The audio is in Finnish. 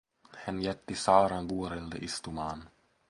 Hän jätti Saaran vuorelle istumaan.